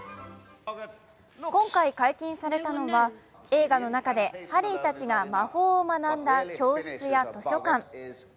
今回、解禁されたのは映画の中でハリーたちが魔法を学んだ教室や図書館。